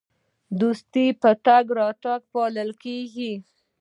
دوستي په تګ او راتګ پالل کیږي.